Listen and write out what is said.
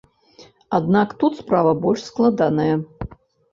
Аднак тут справа больш складаная.